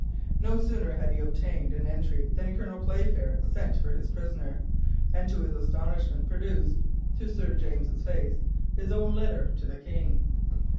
No sooner had he obtained an entry, than Colonel Playfair sent for his prisoner, and to his astonishment produced to Sir James's face his own letter to the King.